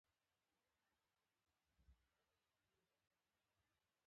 نن په ظاهر ، باطن سپیڅلي مشر، ارواښاد پروفیسر راز محمد راز تلين دی